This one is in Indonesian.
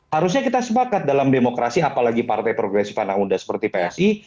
harusnya kita sepakat dalam demokrasi apalagi partai progresif anak muda seperti psi